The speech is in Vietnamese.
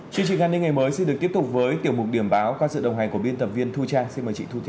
chương trình an ninh ngày mới xin được tiếp tục với tiểu mục điểm báo qua sự đồng hành của biên tập viên thu trang xin mời chị thu thị